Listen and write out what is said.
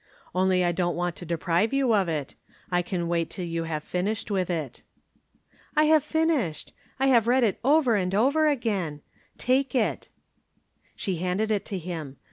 "Only I don't want to deprive you of it I can wait till you have finished with it." "I have finished. I have read it over and over again. Take it." She handed it to him.